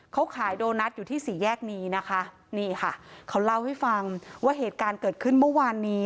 เขาขายโดนัทอยู่ที่สี่แยกนี้นะคะนี่ค่ะเขาเล่าให้ฟังว่าเหตุการณ์เกิดขึ้นเมื่อวานนี้